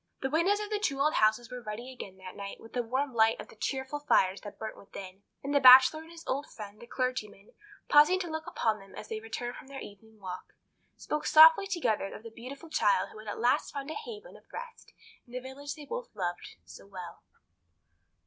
The windows of the two old houses were ruddy again that night with the warm light of the cheerful fires that burnt within; and the Bachelor and his old friend, the clergyman, pausing to look upon them as they returned from their evening walk, spoke softly together of the beautiful child who had at last found a haven of rest in the village they both loved so well.